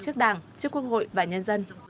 trước đảng trước quân hội và nhân dân